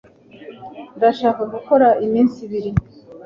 ndashaka gukora iminsi ibiri